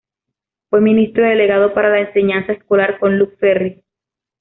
Fue ministro delegado para la enseñanza escolar con Luc Ferry.